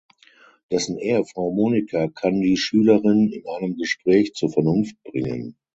Dessen Ehefrau Monika kann die Schülerin in einem Gespräch zur Vernunft bringen.